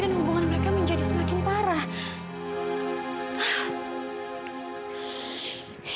dan hubungan mereka menjadi semakin parah